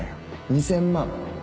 ２０００万。